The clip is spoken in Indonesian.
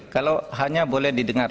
kalau hanya boleh didengar